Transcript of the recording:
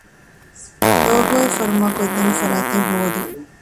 ލޯގޯއެއް ފަރުމާކޮށްދޭނެ ފަރާތެއް ހޯދަން